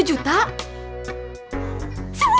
sepuluh juta kang